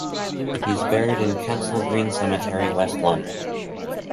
He is buried in Kensal Green Cemetery, West London.